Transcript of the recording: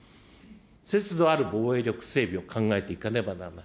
節度ある防衛力整備を考えていかねばならない。